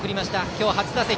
今日初打席。